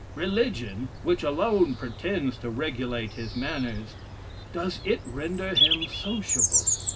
Religion, which alone pretends to regulate his manners, does it render him sociable?